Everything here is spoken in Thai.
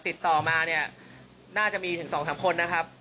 ติดต่อมาเนี่ยน่าจะมีถึง๒๓คนนะครับ